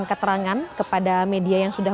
keterangan kepada media yang sudah